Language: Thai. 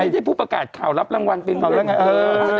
ก็ไม่ได้ผู้ประกาศข่าวรับรางวัลเป็นอะไรแบบเนั้ง